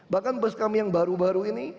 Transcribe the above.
bahkan bus kami yang baru baru ini